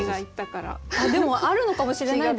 あっでもあるのかもしれないですね。